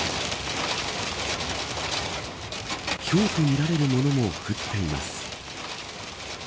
ひょうとみられるものも降っています。